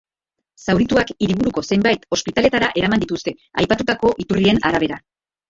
Zaurituak hiriburuko zenbait ospitaletara eraman dituzte, aipatutako iturrien arabera.